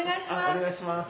お願いします。